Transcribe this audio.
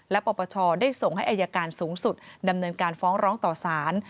และปปชได้ส่งให้อายการสูงสุดดำเนินการฟ้องร้องต่อสาร